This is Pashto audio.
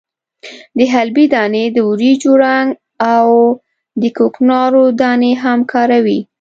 د حلبې دانې، د وریجو رنګ او د کوکنارو دانې هم کاروي.